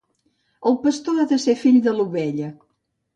El pastor ha de ser fill de l'ovella.